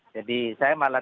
jadi saya malah tidak